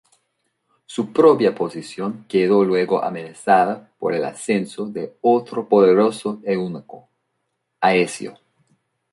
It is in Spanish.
Su propia posición quedó luego amenazada por el ascenso de otro poderoso eunuco, Aecio.